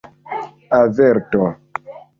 averto